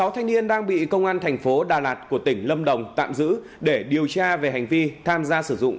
sáu thanh niên đang bị công an thành phố đà lạt của tỉnh lâm đồng tạm giữ để điều tra về hành vi tham gia sử dụng